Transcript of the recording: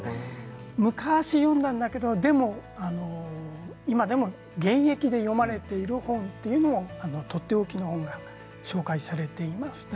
昔、読んだんだけど、でも今でも現役で読まれている本ということがとっておきの本として紹介されています。